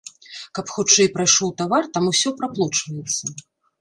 Каб хутчэй прайшоў тавар там усё праплочваецца.